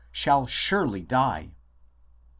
. shall surely die .